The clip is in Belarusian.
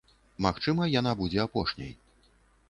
Магчыма, яна будзе апошняй.